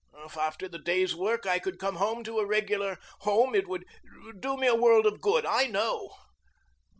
If after the day's work I could come home to a regular home it would do me a world of good, I know.